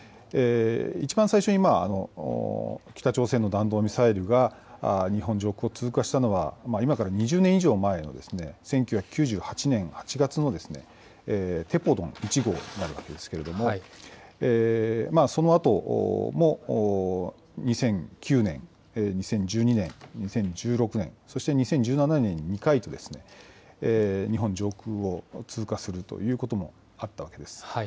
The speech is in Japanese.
一番最初に北朝鮮の弾道ミサイルが日本上空を通過したのは今から２０年以上前の１９９８年８月のテポドン１号になるわけですけれども、そのあとも２００９年、２０１２年、２０１６年、そして２０１７年に２回と、日本上空を通過するということもあったわけです。